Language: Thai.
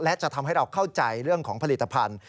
และจะทำให้เราเข้าใจเรื่องของผลิตภัณฑ์